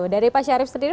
dari pak syarif sendiri